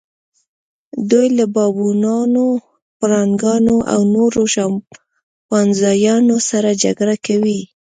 دوی له بابونانو، پړانګانو او نورو شامپانزیانو سره جګړه کوي.